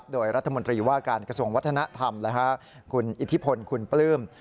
โดยรัฐมนตรีว่าการกระทรวงวัฒนธรรมคุณอิทธิพลคุณปลื้ม